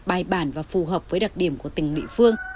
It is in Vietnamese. bài bản và phù hợp với đặc điểm của tỉnh địa phương